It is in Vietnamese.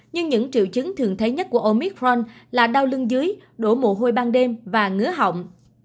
nhưng những triệu chứng thường thấy nhất của omicron là đau lưng dưới đổ mồ hôi ban đêm và ngứa hỏng